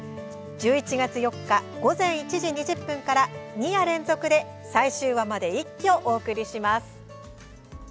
１１月４日、午前１時２０分から２夜連続で一挙お送りします。